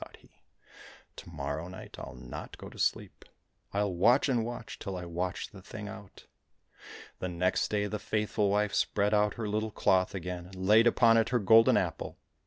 " thought he, " to morrow night I'll not go to sleep. I'll watch and watch till I watch the thing out." The next day the faithful wife spread out her little cloth again, and laid upon it her golden apple.